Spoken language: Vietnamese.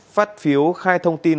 phát phiếu khai thông tin